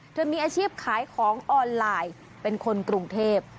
เธอมีอาชีพขายของออนไลน์เป็นคนกรุงเทพ